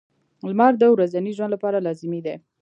• لمر د ورځني ژوند لپاره لازمي دی.